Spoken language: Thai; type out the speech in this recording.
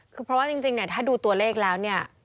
คือเพราะว่าจริงเนี่ยถ้าดูตัวเลขแล้วเนี่ย